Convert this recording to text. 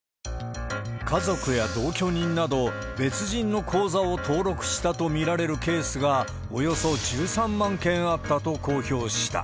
家族や同居人など、別人の口座を登録したと見られるケースが、およそ１３万件あったと公表した。